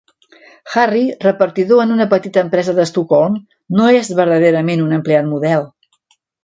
Harry, repartidor en una petita empresa d'Estocolm, no és verdaderament un empleat model.